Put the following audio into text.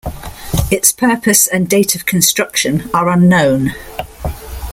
Its purpose and date of construction are unknown.